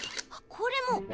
これも！